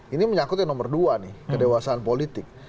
ini menyangkut yang nomor dua nih kedewasaan politik